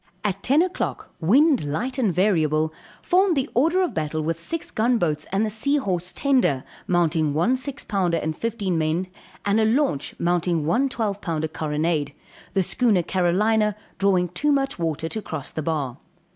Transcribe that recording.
At 10 o'clock, wind light and variable, formed the order of battle with six gun boats and the Sea Horse tender, mounting one six pounder and fifteen men, and a launch mounting one twelve pound carronade; the schooner Carolina, drawing too much water to cross the bar.